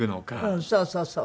うんそうそうそうそう。